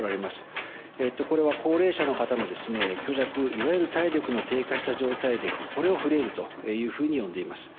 これは高齢者の方の虚弱いわゆる体力の低下した状態でこれをフレイルというふうに呼んでいます。